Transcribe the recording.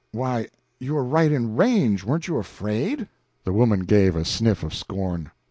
"Why, you were right in range! Weren't you afraid?" The woman gave a sniff of scorn.